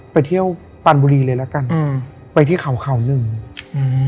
ไปเที่ยวปานบุรีเลยละกันอืมไปที่เขาเขาหนึ่งอืม